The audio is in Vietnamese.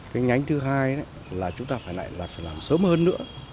cái nhánh thứ hai là chúng ta phải làm sớm hơn nữa